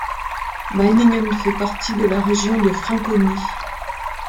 Meiningen fait partie de la région de Franconie.